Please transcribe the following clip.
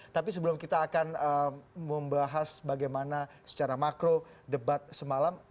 tapi sebelum kita akan membahas bagaimana secara makro debat semalam